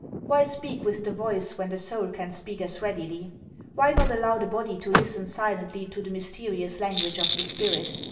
Why speak with the voice when the soul can speak as readily ? Why not allow the body to listen silently to the mysterious language of the spirit